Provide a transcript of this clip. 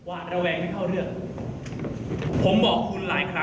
ออนอยากรู้จักอยากรู้จักค่ะ